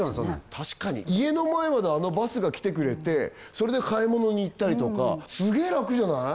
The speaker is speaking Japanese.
確かに家の前まであのバスが来てくれてそれで買い物に行ったりとかすげえラクじゃない？